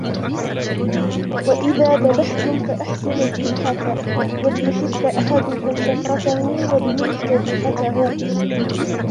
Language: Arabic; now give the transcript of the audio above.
وَإِذَا ذَبَحْتُمْ فَأَحْسِنُوا الذِّبْحَةَ، وَلْيُحِدَّ أَحَدُكُمْ شَفْرَتَهُ وَلْيُرِحْ ذَبِيحَتَهُ